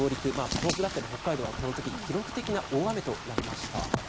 東北だったり北海道はこの時記録的な大雨となりました。